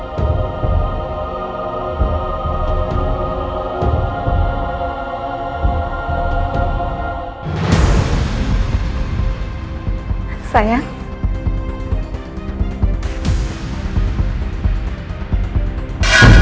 sebentar lagi rena akan datang